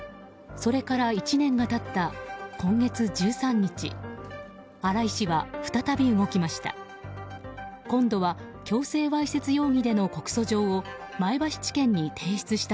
それから１年が経った今月１３日新井氏は再び動きました。